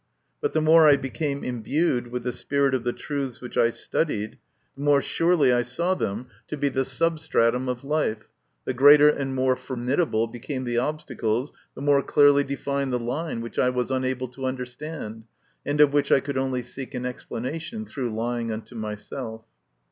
But the more I became imbued with the spirit of the truths which I studied, the more surely I saw them to be the 132 MY CONFESSION. 133 substratum of life, the greater and more formidable became the obstacles, the more clearly defined the line which I vas unable to understand, and of which I could only seek an explanation through lying unto myself.